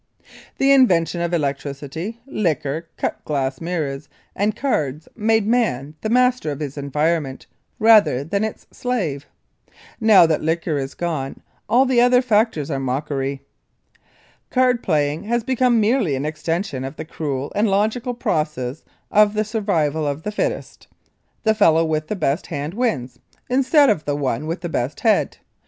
The invention of electricity, liquor, cut glass mirrors, and cards made man the master of his environment rather than its slave. Now that liquor is gone all the other factors are mockery. Card playing has become merely an extension of the cruel and logical process of the survival of the fittest. The fellow with the best hand wins, instead of the one with the best head.